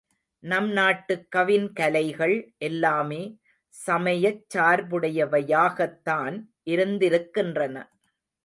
நம் நாட்டு கவின் கலைகள் எல்லாமே சமயச் சார்புடையவையாகத்தான் இருந்திருக்கின்றன.